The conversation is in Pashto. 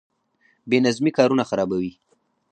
بې نظمي کارونه خرابوي